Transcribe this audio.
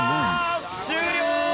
終了！